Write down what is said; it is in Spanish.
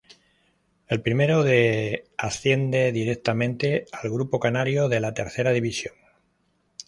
El primero de asciende directamente al grupo canario de la Tercera División.